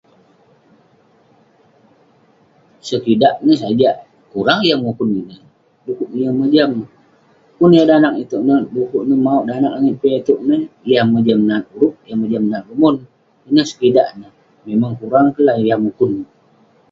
Sekidak neh sajak kurang yah mukun ineh. Dekuk neh yeng mojam. Pun yah danag itouk ineh dekuk neh mauk danag langit itouk neh, yah mojam nat hurup, yah mojam nat numon. Ineh sekidak neh, memang kurang kek lah yah mukun.